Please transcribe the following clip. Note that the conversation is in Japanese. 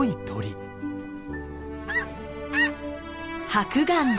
ハクガンだ。